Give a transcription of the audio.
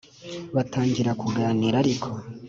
batangira kuganira ariko